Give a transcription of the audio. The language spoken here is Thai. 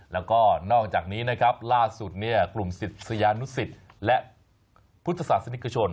และก็นอกจากนี้ล่าสุดกลุ่มศิษย์สยานุศิษย์และพุทธศาสนิกชน